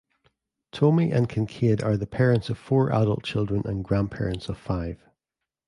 Tomey and Kincaid are the parents of four adult children and grandparents of five.